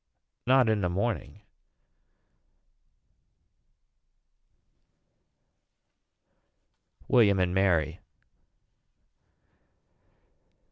Not in the morning. William and Mary.